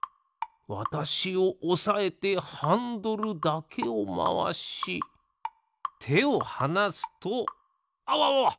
わたしをおさえてハンドルだけをまわしてをはなすとあわわわ！